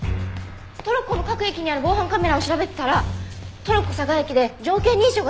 トロッコの各駅にある防犯カメラを調べてたらトロッコ嵯峨駅で条件認証がヒットしました。